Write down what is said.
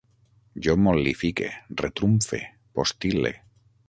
Jo mol·lifique, retrumfe, postil·le